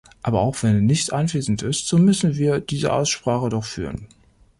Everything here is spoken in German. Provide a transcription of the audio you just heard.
Aber auch wenn er nicht anwesend ist, so müssen wir diese Aussprache doch führen.